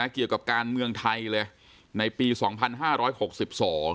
เกี่ยวกับการเมืองไทยเลยในปีสองพันห้าร้อยหกสิบสอง